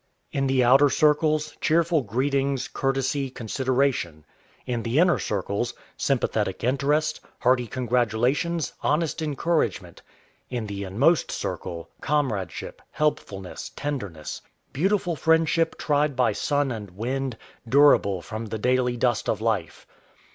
In the outer circles, cheerful greetings, courtesy, consideration; in the inner circles, sympathetic interest, hearty congratulations, honest encouragement; in the inmost circle, comradeship, helpfulness, tenderness, "_Beautiful friendship tried by sun and wind Durable from the daily dust of life.